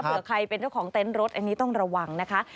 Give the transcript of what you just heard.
ใครเป็นเจ้าของเต็นต์รถอันนี้ต้องระวังนะคะ